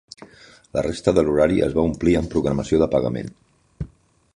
La resta de l'horari es va omplir amb programació de pagament.